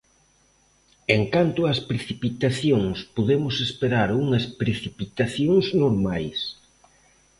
E en canto ás precipitacións, podemos esperar unhas precipitacións normais.